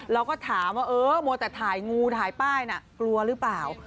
เราก็ถามว่าเออมัวแต่ถ่ายงูถ่ายป้ายน่ะกลัวหรือเปล่า